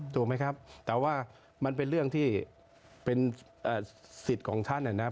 ถูกไหมครับแต่ว่ามันเป็นเรื่องที่เป็นสิทธิ์ของท่านนะครับ